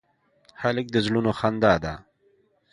هلک د زړونو خندا ده.